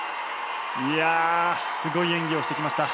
すごい演技をしてきました。